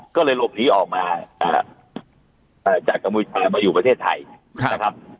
ก็เลยหลบหนีออกมานะครับเอ่อจากกรรมบุญชาติมาอยู่ประเทศไทยนะครับ